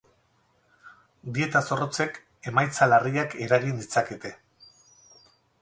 Dieta zorrotzek emaitza larriak eragin ditzakete.